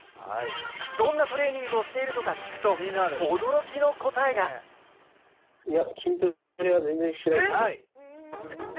どんなトレーニングをしているのか聞くと驚きの答えがいや。